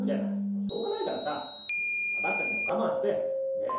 もうしょうがないからさ私たちも我慢してねえ